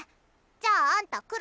じゃああんた黒。